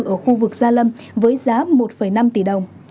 ở khu vực gia lâm với giá một năm tỷ đồng